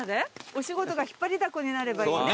お仕事が引っ張りだこになればいいね。